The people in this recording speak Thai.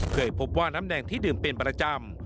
เคยพบว่าน้ำแดงที่ดื่มเป็นประจำ